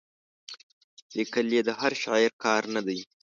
لیکل یې د هر شاعر کار نه دی.